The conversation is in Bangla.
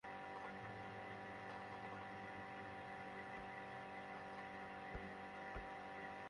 পাখির ডাক ছিল আলো ফোটার আগে থেকেই, এবার শুরু হলো আমাদের কিচিরমিচির।